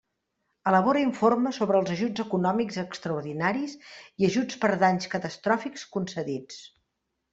Elabora informes sobre els ajuts econòmics extraordinaris i ajuts per danys catastròfics concedits.